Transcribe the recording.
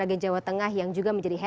iya ini kan guru